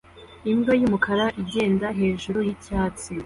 imbwa yumukara igenda hejuru yicyatsi